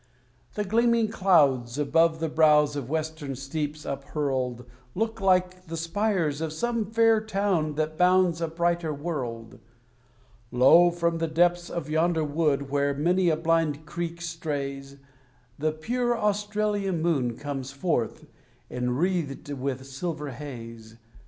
The gleaming clouds, above the brows of western steeps uphurled, Look like the spires of some fair town that bounds a brighter world. Lo, from the depths of yonder wood, where many a blind creek strays, The pure Australian moon comes forth, enwreathed with silver haze.